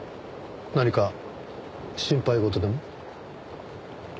何か心配事でも？